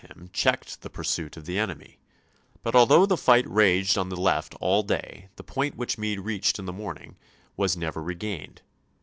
him checked the pursuit of the enemy, but although the fight raged on the left all day the point which Meade reached in the morning was never regained.